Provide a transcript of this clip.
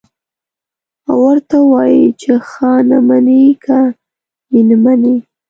او ورته ووايي چې خانه منې که يې نه منې.